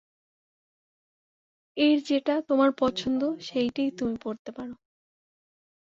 এর যেটা তোমার পছন্দ সেইটেই তুমি পরতে পারো।